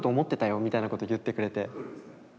みたいなこと言ってくれて。